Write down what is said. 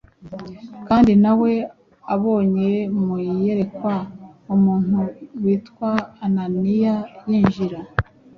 Kandi na we abonye mu iyerekwa umuntu witwa Ananiya yinjira,